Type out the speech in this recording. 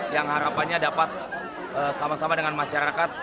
yang harapannya dapat sama sama dengan masyarakat